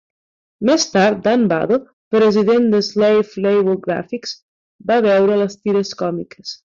Més tard, Dan Vado, president d'Slave Labor Graphics, va veure les tires còmiques.